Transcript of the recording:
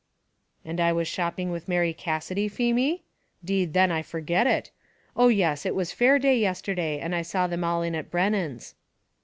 "And was I shopping with Mary Cassidy, Feemy? 'deed then I forget it. Oh yes, it was fair day yesterday, and I saw them all in at Brennan's."